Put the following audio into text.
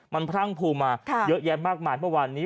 มันพรั่งภูมิมาเยอะแยะมากมายเมื่อวานนี้